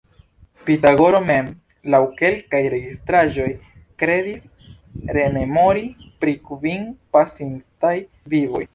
Pitagoro mem, laŭ kelkaj registraĵoj, kredis rememori pri kvin pasintaj vivoj.